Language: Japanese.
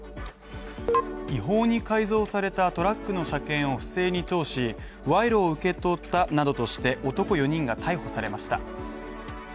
違法に改造されたトラックの車検を不正に通し賄賂を受け取ったなどとして男４人が逮捕されました。